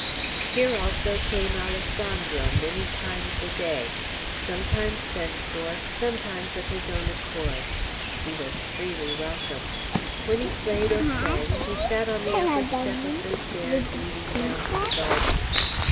Here also came Alessandro many times a day, sometimes sent for, sometimes of his own accord. He was freely welcome. When he played or sang he sat on the upper step of the stairs leading down to the garden.